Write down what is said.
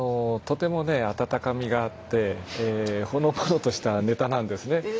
とてもね温かみがあってほのぼのとしたネタなんですね。